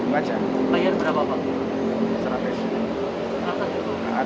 bayar berapa pak